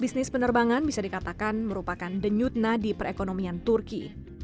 bisnis penerbangan bisa dikatakan merupakan denyutna di perekonomian turki